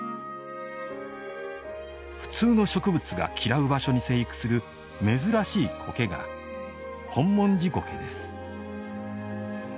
普通の植物が嫌う場所に生育する珍しい苔がホンモンジゴケです。